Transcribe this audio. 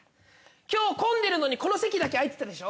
今日混んでるのにこの席だけ空いてたでしょ？